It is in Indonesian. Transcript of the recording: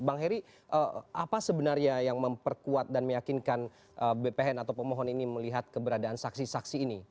bang heri apa sebenarnya yang memperkuat dan meyakinkan bpn atau pemohon ini melihat keberadaan saksi saksi ini